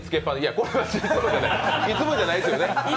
これはいつもじゃないですよね。